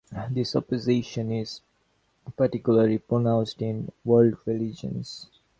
This opposition is particularly pronounced in world religions.